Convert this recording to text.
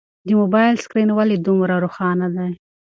د موبایل سکرین ولې دومره روښانه دی؟